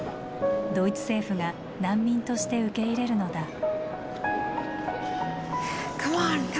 ドイツ政府が難民として受け入れるのだ。